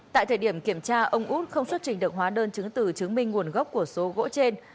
tại thời điểm kiểm tra ông út không xuất trình được hóa đơn chứng từ chứng minh nguồn gốc của số gỗ trên